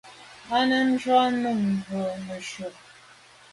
A num ntshùag num mbwe neshu.